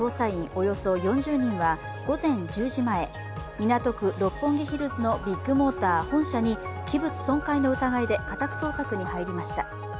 およそ４０人は午前１０時前、港区・六本木ヒルズのビッグモーター本社に器物損壊の疑いで家宅捜索に入りました。